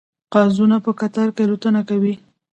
قازونه په قطار کې الوتنه کوي